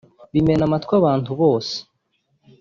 bimena amatwi abantu bose